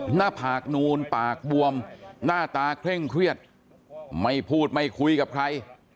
หน้าผากนูนปากบวมหน้าตาเคร่งเครียดไม่พูดไม่คุยกับใคร